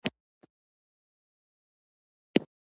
په بوړ يې يوه ګوله پورې کړه